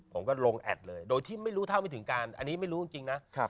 ผมก็ลงแอดเลยโดยที่ไม่รู้เท่าไม่ถึงการอันนี้ไม่รู้จริงนะ